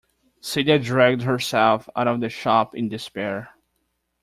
Celia dragged herself out of the shop in despair.